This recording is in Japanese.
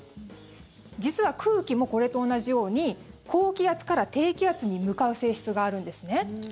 実は空気もこれと同じように高気圧から低気圧に向かう性質があるんですね。